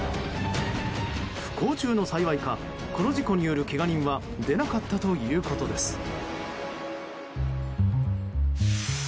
不幸中の幸いかこの事故によるけが人は出なかったということです。